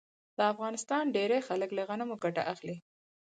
د افغانستان ډیری خلک له غنمو ګټه اخلي.